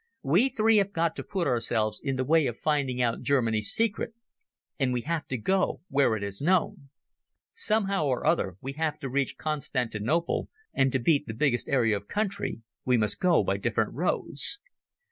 We three have got to put ourselves in the way of finding out Germany's secret, and we have to go where it is known. Somehow or other we have to reach Constantinople, and to beat the biggest area of country we must go by different roads.